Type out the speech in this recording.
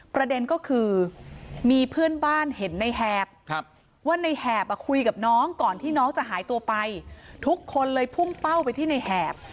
ประเด็นก็คือมีเพื่อนบ้านเห็นในแหบว่าในแหบคุยกับน้องก่อนที่น้องจะหายตัวไปทุกคนเลยพุ่งเป้าไปที่ในแหบ